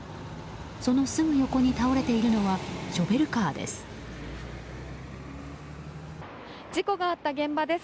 そのすぐ横に倒れているのはショベルカーです。